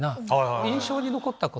印象に残ったこと。